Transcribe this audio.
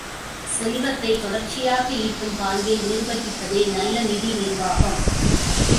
செல்வத்தைத் தொடர்ச்சியாக ஈட்டும் பாங்கில் நிர்வகிப்பதே நல்ல நிதி நிர்வாகம்.